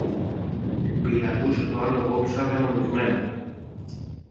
Πιλαλούσε το άλογο του σα δαιμονισμένο.